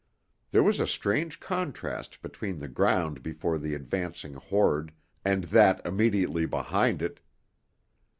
There was a strange contrast between the ground before the advancing horde and that immediately behind it.